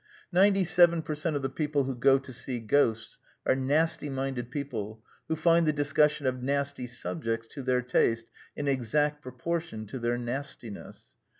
" Ninety seven per cent of the people who go to see Ghosts are nasty minded people who find the discussion of nasty subjects to their taste in exact proportion to their nastiness."